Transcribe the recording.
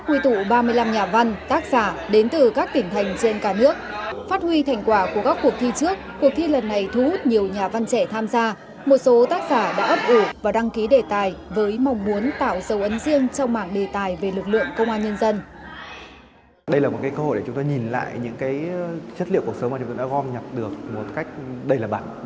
trại sáng tác quy tụ ba mươi năm nhà văn tác giả đến từ các tỉnh thành trên cả nước phát huy thành quả của các cuộc thi trước cuộc thi lần này thu hút nhiều nhà văn trẻ tham gia một số tác giả đã ấp ủ và đăng ký đề tài với mong muốn tạo sâu ấn riêng trong mạng đề tài về lực lượng công an nhân dân